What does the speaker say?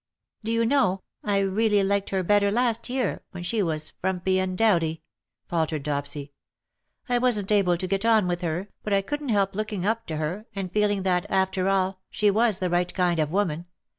" Do you know, I really liked her better last year, when she was frumpy and dowdy /^ faltered Dopsy. " I wasn''t able to get on with her, but I couldn^t help looking up to her, and feeling that, after all, she was the right kind of woman.